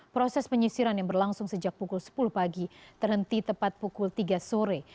proses penyisiran yang berlangsung sejak pukul sepuluh pagi terhenti tepat pukul tiga sore